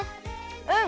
うん！